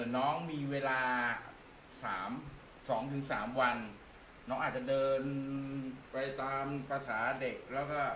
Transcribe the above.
เอ่อน้องมีเวลาสามสองถึงสามวันน้องอาจจะเดินไปตามภาษาเด็กแล้วก็